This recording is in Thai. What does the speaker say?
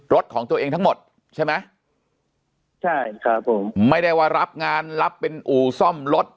รถของตัวเองทั้งหมดใช่ไหมใช่ครับผมไม่ได้ว่ารับงานรับเป็นอู่ซ่อมรถ